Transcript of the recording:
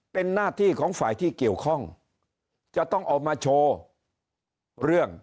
เป็นหน้าที่ของฝ่ายที่เกี่ยวข้องจะต้องเอามาโชว์เรื่อง